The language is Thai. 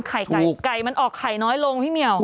ไก่ไก่มันออกไข่น้อยลงพี่เหมียว